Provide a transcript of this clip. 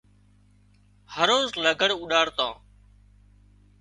هروز لگھڙ اُوڏاڙتان